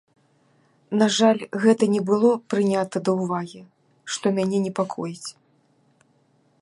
На жаль, гэта не было прынята да ўвагі, што мяне непакоіць.